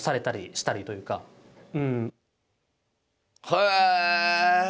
へえ！